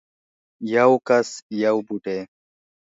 یو کس یو بوټی